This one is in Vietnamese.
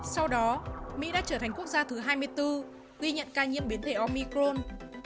sau đó mỹ đã trở thành quốc gia thứ hai mươi bốn ghi nhận ca nhiễm biến thể omicron